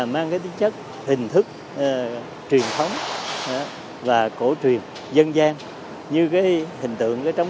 mang đến chất nó truyền thống và hiện đại dần ở bên trong